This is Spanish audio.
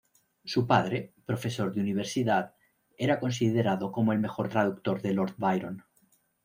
Su padre, profesor de universidad, era considerado como el mejor traductor de Lord Byron.